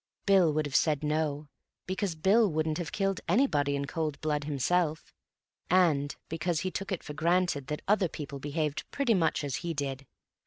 Bill would have said "No," because Bill wouldn't have killed anybody in cold blood himself, and because he took it for granted that other people behaved pretty much as he did.